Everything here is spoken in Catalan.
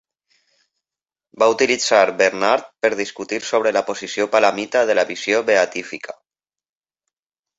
Va utilitzar Bernard per discutir sobre la posició palamita de la visió beatífica.